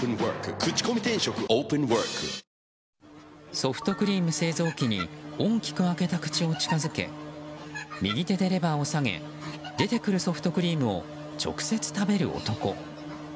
ソフトクリーム製造機に大きく開けた口を近づけ右手でレバーを下げ出てくるソフトクリームを直接食べる男。